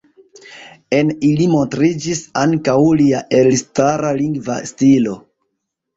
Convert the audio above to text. En ili montriĝis ankaŭ lia elstara lingva stilo.